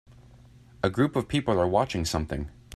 A group of people are watching something.